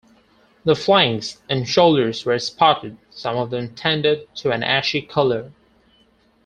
The flanks and shoulders were spotted, some of them tended to an ashy colour.